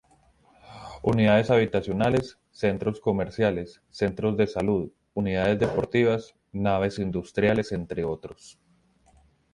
Unidades habitacionales, centros comerciales, centros de salud, unidades deportivas, naves industriales entre otros.